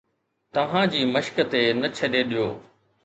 توهان جي مشق تي نه ڇڏي ڏيو